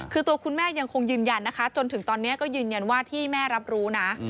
คือตัวคุณแม่ยังคงยืนยันนะคะจนถึงตอนนี้ก็ยืนยันว่าที่แม่รับรู้นะ